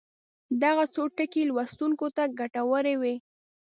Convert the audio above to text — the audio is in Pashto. دغه څو ټکي لوستونکو ته ګټورې وي.